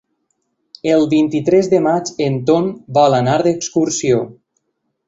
El vint-i-tres de maig en Ton vol anar d'excursió.